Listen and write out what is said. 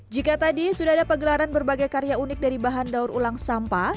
jika tadi sudah ada pegelaran berbagai karya unik dari bahan daur ulang sampah